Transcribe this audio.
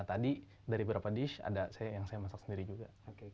tadi dari beberapa dish ada yang saya masak sendiri juga